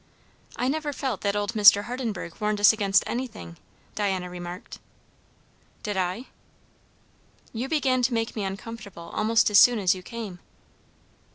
"I never felt that old Mr. Hardenburgh warned us against anything," Diana remarked. "Did I?" "You began to make me uncomfortable almost as soon as you came."